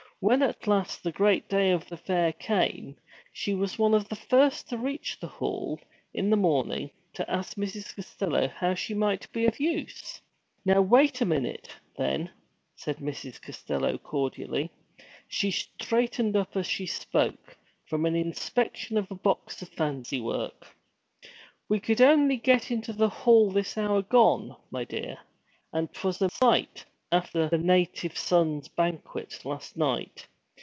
When at last the great day of the fair came, she was one of the first to reach the hall, in the morning, to ask Mrs. Costello how she might be of use. 'Now wait a minute, then!' said Mrs. Costello cordially. She straightened up as she spoke, from an inspection of a box of fancy work. 'We could only get into the hall this hour gone, my dear, and 't was a sight, after the Native Sons' Banquet last night.